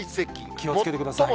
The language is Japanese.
気をつけてください。